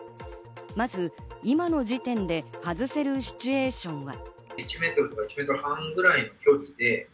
まず今の時点で外せるシチュエーションは。